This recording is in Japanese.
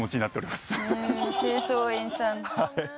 清掃員さん。